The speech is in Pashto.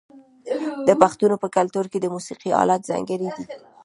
د پښتنو په کلتور کې د موسیقۍ الات ځانګړي دي.